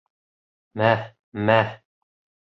Мә, мә!..